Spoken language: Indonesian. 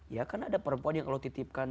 ya karena ada perempuan yang kalau titipkan